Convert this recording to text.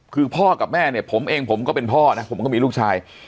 คือพ่อกับแม่เนี่ยผมเองผมก็เป็นพ่อนะผมก็มีลูกชาย